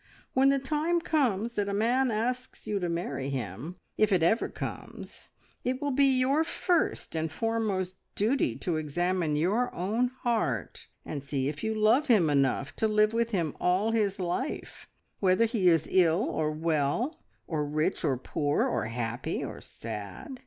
When the time comes that a man asks you to marry him if it ever comes it will be your first and foremost duty to examine your own heart and see if you love him enough to live with him all his life, whether he is ill or well, or rich or poor, or happy or sad.